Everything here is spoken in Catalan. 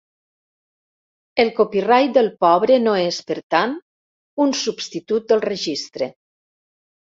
El copyright del pobre no és, per tant, un substitut del registre.